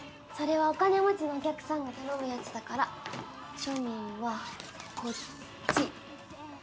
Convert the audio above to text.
それはお金持ちのお客さんが頼むやつだから庶民はこっち。